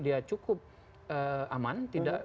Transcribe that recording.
dia cukup aman